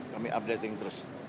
kami updating terus